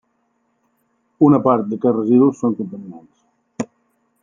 Una part d'aquests residus són contaminants.